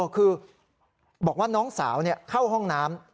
คือบอกว่าน้องสาวเข้าห้องน้ำ